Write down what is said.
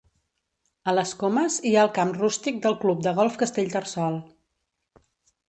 A les Comes hi ha el camp rústic del Club de Golf Castellterçol.